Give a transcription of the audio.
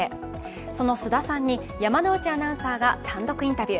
その菅田さんに山内アナウンサーが単独インタビュー。